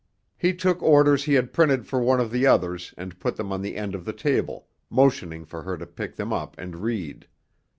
He took orders he had printed for one of the others and put them on the end of the table, motioning for her to pick them up and read.